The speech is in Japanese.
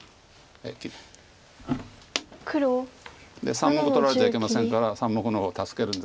３目取られちゃいけませんから３目の方助けるんですが。